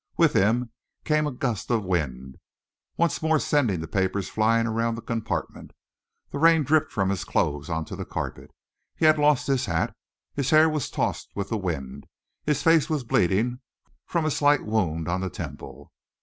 With him came a gust of wind, once more sending the papers flying around the compartment. The rain dripped from his clothes on to the carpet. He had lost his hat, his hair was tossed with the wind, his face was bleeding from a slight wound on the temple.